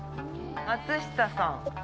松下さん。